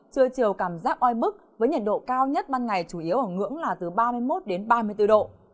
trưa chiều cảm giác oi bức với nhiệt độ cao nhất ban ngày chủ yếu ở ngưỡng là từ ba mươi một đến ba mươi bốn độ